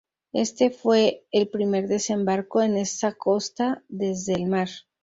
Este fue el primer desembarco en esa costa desde el mar.